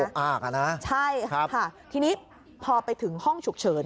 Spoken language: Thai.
โอ้คอ้ากนะครับใช่ทีนี้พอไปถึงห้องฉุกเฉิน